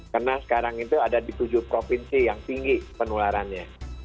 karena sekarang itu ada di tujuh provinsi yang tinggi penularannya